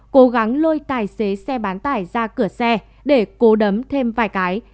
cố gắng lôi tài xế xe bán tải ra cửa xe để cố đấm thêm vài cái